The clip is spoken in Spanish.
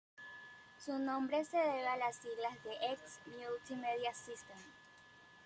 Su nombre se debe a las siglas de X MultiMedia System.